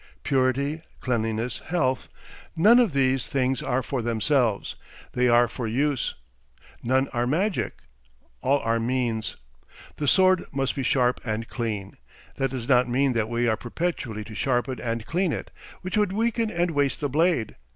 Purity, cleanliness, health, none of these things are for themselves, they are for use; none are magic, all are means. The sword must be sharp and clean. That does not mean that we are perpetually to sharpen and clean it which would weaken and waste the blade.